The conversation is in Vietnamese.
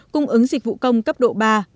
cung ứng dịch vụ công cấp độ ba bốn